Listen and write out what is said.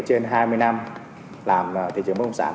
trên hai mươi năm làm thị trường bất động sản